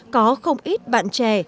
có không ít bạn trẻ